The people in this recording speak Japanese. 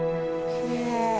きれい。